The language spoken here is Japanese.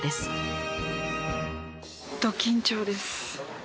ど緊張です。